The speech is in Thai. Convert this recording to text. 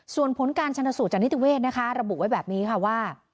ส่วนผลการชนสูตรจากนิติเวศนะคะระบุไว้แบบนี้ค่ะว่า